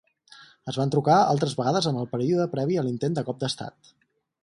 Es van trucar altres vegades en el període previ a l'intent de cop d'Estat.